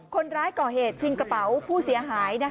คนร้ายก่อเหตุชิงกระเป๋าผู้เสียหาย